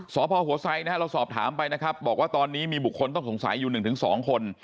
สพหัวไซดนะฮะเราสอบถามไปนะครับบอกว่าตอนนี้มีบุคคลต้องสงสัยอยู่๑๒คน